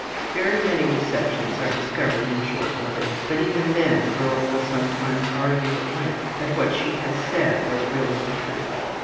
Very many deceptions are discovered in short order, but even then the girl will sometimes argue at length that what she has said was really the truth.